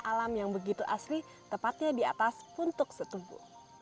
alam yang begitu asli tepatnya di atas puntuk setubu